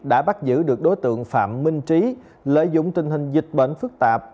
đã bắt giữ được đối tượng phạm minh trí lợi dụng tình hình dịch bệnh phức tạp